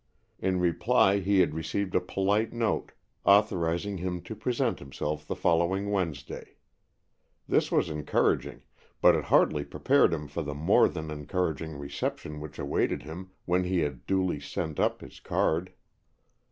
In reply he had received a polite note, authorizing him to present himself the following Wednesday. This was encouraging, but it hardly prepared him for the more than encouraging reception which awaited him when he had duly sent up his card.